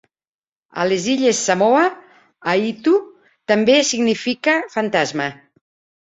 A les illes Samoa, "aitu" també significa fantasma.